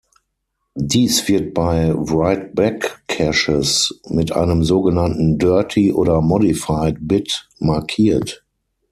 Dies wird bei Write-Back-Caches mit einem sogenannten "dirty" oder "modified" Bit markiert.